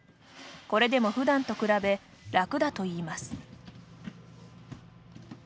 これでも、ふだんと比べ楽だといいます。